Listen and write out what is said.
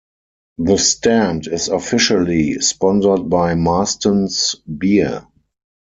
The stand is officially sponsored by Marston's beer.